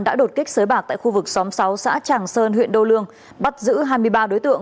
đã đột kích sới bạc tại khu vực xóm sáu xã tràng sơn huyện đô lương bắt giữ hai mươi ba đối tượng